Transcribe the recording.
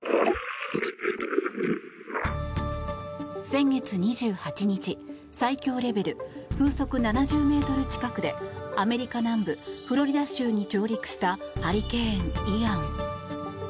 先月２８日最強レベル風速７０メートル近くでアメリカ南部フロリダ州に上陸したハリケーン、イアン。